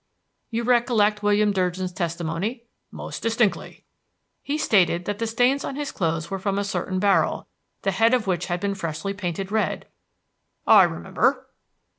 "You recollect William Durgin's testimony?" "Most distinctly." "He stated that the stains on his clothes were from a certain barrel, the head of which had been freshly painted red." "I remember."